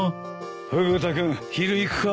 フグ田君昼行くか？